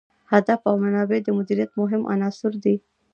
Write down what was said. هدف او منابع د مدیریت مهم عناصر دي.